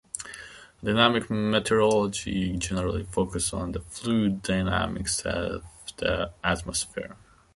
Dynamic meteorology generally focuses on the fluid dynamics of the atmosphere.